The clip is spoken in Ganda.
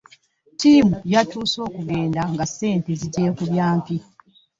Ttiimu yatuuse okugenda nga ssente zigyekubya mpi